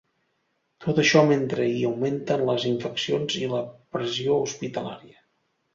Tot això mentre hi augmenten les infeccions i la pressió hospitalària.